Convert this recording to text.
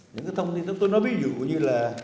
những cái thông tin chúng tôi nói ví dụ như là